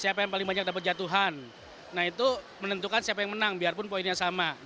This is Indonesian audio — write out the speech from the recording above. siapa yang paling banyak dapat jatuhan nah itu menentukan siapa yang menang biarpun poinnya sama